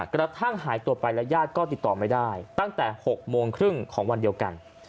กระทั่งหายตัวไปและญาติก็ติดต่อไม่ได้ตั้งแต่๖โมงครึ่งของวันเดียวกัน